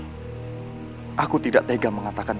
iya kumpulkan aja abang duibang